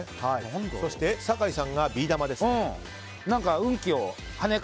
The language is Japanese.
そして、酒井さんがビー玉ですね。